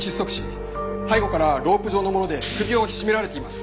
背後からロープ状のもので首を絞められています。